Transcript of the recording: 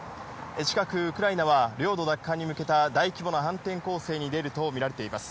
近く、ウクライナは領土奪還に向けた大規模な反転攻勢に出ると見られています。